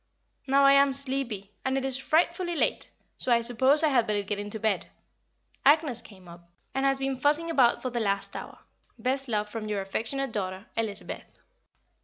Now I am sleepy, and it is frightfully late, so I suppose I had better get into bed. Agnès came up, and has been fussing about for the last hour. Best love from your affectionate daughter, Elizabeth.